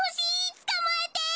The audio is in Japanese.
つかまえて！